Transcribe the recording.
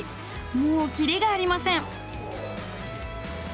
もう切りがありません。